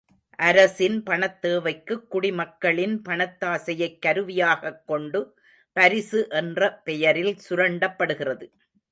அரசின் பணத்தேவைக்குக் குடிமக்களின் பணத்தாசையைக் கருவியாகக் கொண்டு பரிசு என்ற பெயரில் சுரண்டப்படுகிறது.